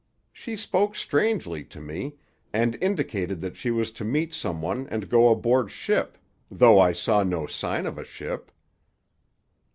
She spoke strangely to me, and indicated that she was to meet some one and go aboard ship, though I saw no sign of a ship."